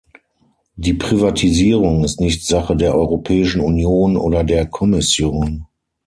Die Privatisierung ist nicht Sache der Europäischen Union oder der Kommission.